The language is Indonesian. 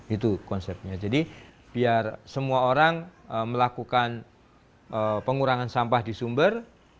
itu konsepnya jadi biar semua orang melakukan pengurangan sampah di sumber